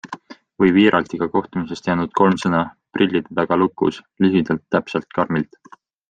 Või Viiraltiga kohtumisest jäänud kolm sõna - prillide taga lukus ... lühidalt, täpselt karmilt.